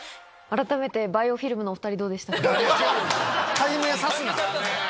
改名さすな！